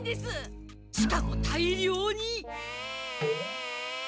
しかも大量に！